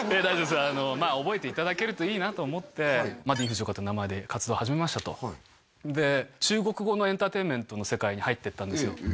大丈夫です覚えていただけるといいなと思ってＤＥＡＮＦＵＪＩＯＫＡという名前で活動始めましたとで中国語のエンターテインメントの世界に入っていったんですよ